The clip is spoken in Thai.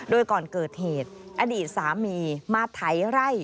โดยก่อนเกิดเหตุอดีตสามีมาไถไร่